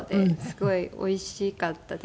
すごいおいしかったです。